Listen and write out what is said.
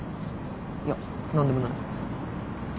いや何でもない。